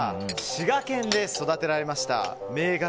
滋賀県で育てられた銘柄